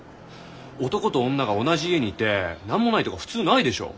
男と女が同じ家にいて何もないとか普通ないでしょ？